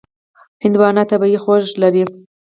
هندوانه طبیعي خوږ لري.